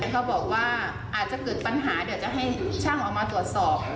เขาบอกว่าอาจจะเกิดปัญหาเดี๋ยวจะให้ช่างเอามาตรวจสอบ